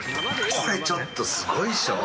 これちょっとすごいでしょ。